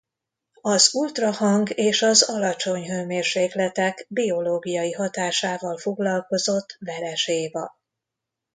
Az ultrahang és az alacsony hőmérsékletek biológiai hatásával foglalkozott Veress Éva.